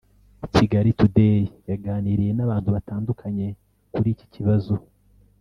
Kigali Today yaganiriye n’abantu batandukanye kuri iki kibazo